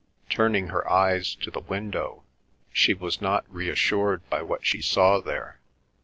Turning her eyes to the window, she was not reassured by what she saw there.